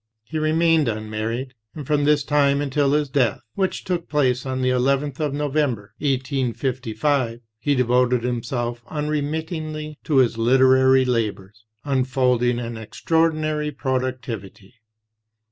He remained unmarried, and from this time until his death, which took place on the llth of November, 1855, he devoted himself unremittingly to his literary labors, unfolding an extraordinary productivity.